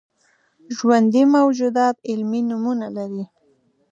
ژوندي موجودات علمي نومونه لري